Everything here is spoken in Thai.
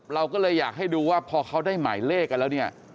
เราก็เลยอยากให้ดูว่าพอเขาได้หมายเลขกันแล้วเนี่ย